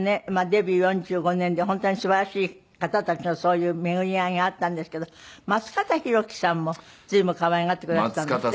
デビュー４５年で本当にすばらしい方たちのそういう巡り合いがあったんですけど松方弘樹さんも随分可愛がってくだすったんですって。